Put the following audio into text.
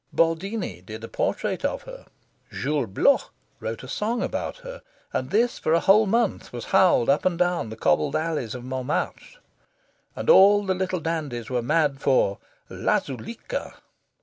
Boldini did a portrait of her. Jules Bloch wrote a song about her; and this, for a whole month, was howled up and down the cobbled alleys of Montmartre. And all the little dandies were mad for "la Zuleika."